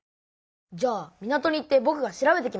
じゃあ港に行ってぼくが調べてきます。